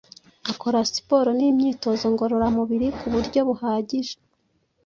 akora siporo n’imyitozo ngororamubiri ku buryo buhagije